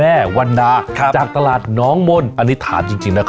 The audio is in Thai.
อ่ะงั้นผมบ้าง